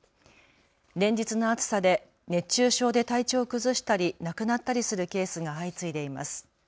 連日の暑さで熱中症で体調を崩したり亡くなったりするケースが相次いでいます。